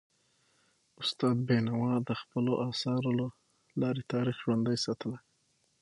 استاد بینوا د خپلو اثارو له لارې تاریخ ژوندی ساتلی.